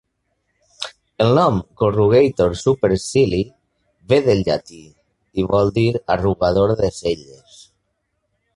El nom "corrugator supercilii" ve del llatí, i vol dir "arrugador de celles".